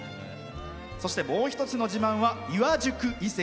そして、もう一つの自慢は岩宿遺跡。